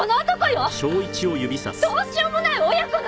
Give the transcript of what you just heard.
どうしようもない親子なの！